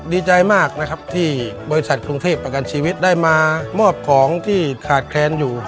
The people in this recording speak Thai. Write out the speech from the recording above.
ดีใจมากนะครับที่บริษัทกรุงเทพประกันชีวิตได้มามอบของที่ขาดแคลนอยู่